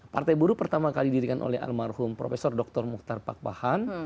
partai buruh pertama kali didirikan oleh almarhum prof dr muhtar pakpahan